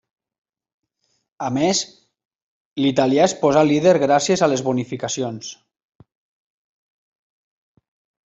A més, l'italià es posa líder gràcies a les bonificacions.